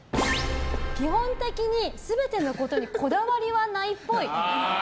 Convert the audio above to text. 基本的に全てのことにこだわりは無いっぽい。